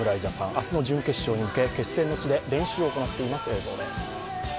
明日の準決勝に向け決戦の地で練習を行っています。